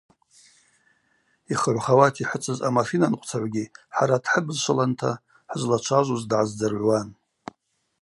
Йхыгӏвхауата йхӏыцыз амашинанкъвцагӏвгьи хӏара дхӏыбызшваланта хӏызлачважвуз дгӏаздзыргӏвуан.